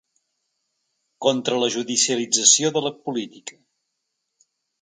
Contra la judicialització de la política.